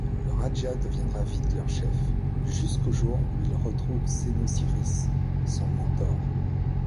Le Râjâ deviendra vite leur chef, jusqu'au jour où il retrouve Sénosiris, son mentor.